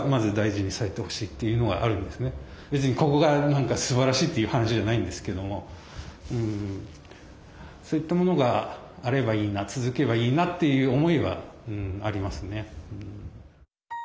別にここが何かすばらしいという話じゃないんですけどもそういったものがあればいいな続けばいいなという思いはありますね。